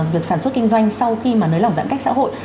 việc sản xuất kinh doanh sau khi mà nới lỏng giãn cách xã hội